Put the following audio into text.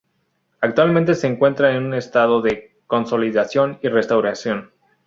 Actualmente se encuentra en estado de consolidación y restauración.